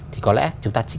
thì có lẽ chúng ta